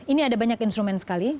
ini ada banyak instrumen sekali